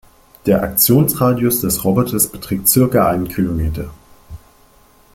Der Aktionsradius des Roboters beträgt circa einen Kilometer.